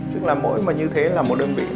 tức là mỗi như thế là một đơn vị